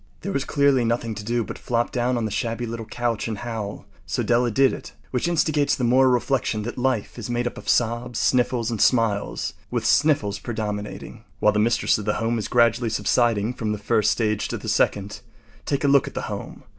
There was clearly nothing to do but flop down on the shabby little couch and howl. So Della did it. Which instigates the moral reflection that life is made up of sobs, sniffles, and smiles, with sniffles predominating. While the mistress of the home is gradually subsiding from the first stage to the second, take a look at the home.